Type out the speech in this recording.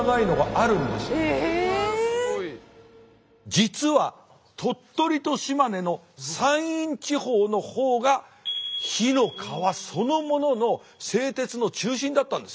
実は鳥取と島根の山陰地方の方が火の川そのものの製鉄の中心だったんです。